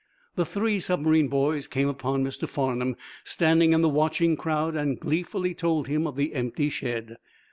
The three submarine boys came upon Mr. Farnum standing in the watching crowd and gleefully told him of the empty shed.